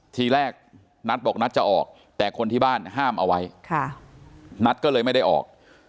ทีแรกนัทบอกนัทจะออกแต่คนที่บ้านห้ามเอาไว้นัทก็เลยไม่ได้ออก